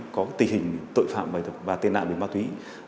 có tình hình tội phạm và tên ảnh về mặt túy